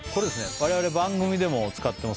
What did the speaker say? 我々番組でも使ってます